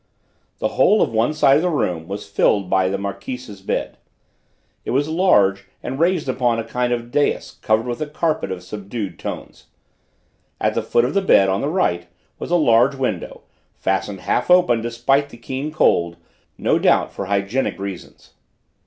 The whole of one side of the room was filled by the Marquise's bed. It was large, and raised upon a kind of dais covered with a carpet of subdued tones. At the foot of the bed, on the right, was a large window, fastened half open despite the keen cold, no doubt for hygienic reasons.